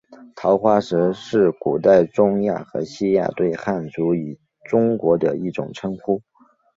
桃花石是古代中亚和西亚对汉族与中国的一种称呼。